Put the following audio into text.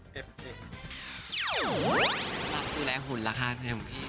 รับคุณแรงหุ่นแล้วค่ะพี่